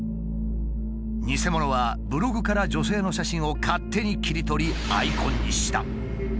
ニセモノはブログから女性の写真を勝手に切り取りアイコンにした。